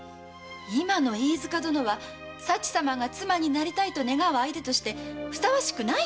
今の飯塚殿は佐知様が妻になりたいと願う相手としてふさわしくない人です。